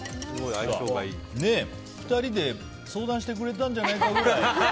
２人で相談してくれたんじゃないかくらい。